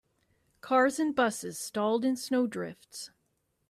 Cars and busses stalled in snow drifts.